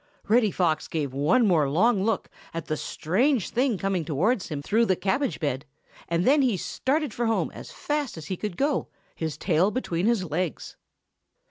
Reddy Fox gave one more long look at the strange thing coming towards him through the cabbage bed, and then he started for home as fast as he could go, his tail between his legs.